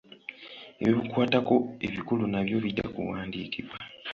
Ebikukwatako ebikulu nabyo bijja kuwandiikibwa.